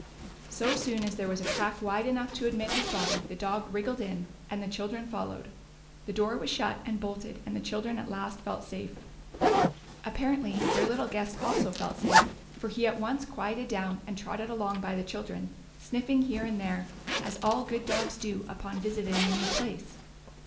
So soon as there was a crack wide enough to admit his body the dog wriggled in and the children followed. The door was shut and bolted, and the children at last felt safe. Apparently their little guest also felt safe, for he at once quieted down and trotted along by the children, sniffing here and there, as all good dogs do upon visiting a new place.